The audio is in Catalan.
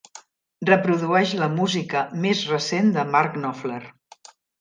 Reprodueix la música més recent de Mark Knopfler.